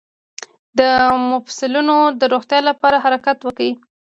د مفصلونو د روغتیا لپاره حرکت وکړئ